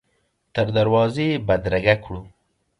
تر دروازې یې بدرګه کړو.